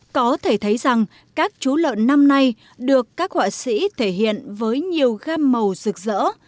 có thể thấy rằng các chú lợn năm nay được các họa sĩ thể hiện với nhiều gam màu rực rỡ